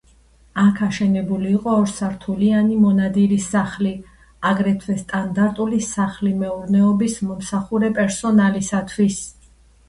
აქ აშენებული იყო ორსართულიანი მონადირის სახლი, აგრეთვე სტანდარტული სახლი მეურნეობის მომსახურე პერსონალისათვის.